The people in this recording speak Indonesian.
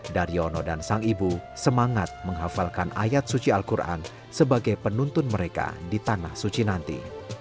daryono dan sang ibu semangat menghafalkan ayat suci al quran sebagai penuntun mereka di tanah suci nanti